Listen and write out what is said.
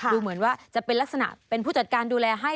ดูเหมือนว่าจะเป็นลักษณะเป็นผู้จัดการดูแลให้